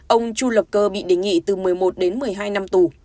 ông chu lập cơ bị đề nghị từ một mươi một đến một mươi hai năm tù